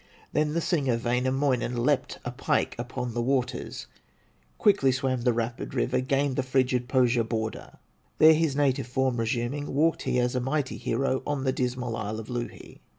Then the singer, Wainamoinen, Leaped, a pike, upon the waters, Quickly swam the rapid river, Gained the frigid Pohya border. There his native form resuming, Walked he as a mighty hero, On the dismal isle of Louhi.